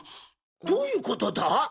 どういうことだ？